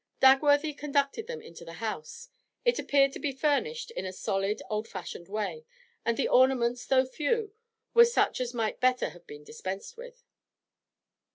Dagworthy conducted them into the house. It appeared to be furnished in a solid, old fashioned way, and the ornaments, though few, were such as might better have been dispensed with.